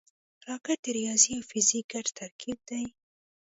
راکټ د ریاضي او فزیک ګډ ترکیب دی